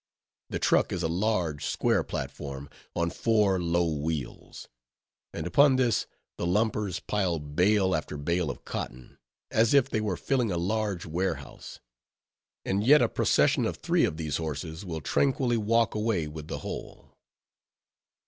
The truck is a large square platform, on four low wheels; and upon this the lumpers pile bale after bale of cotton, as if they were filling a large warehouse, and yet a procession of three of these horses will tranquilly walk away with the whole.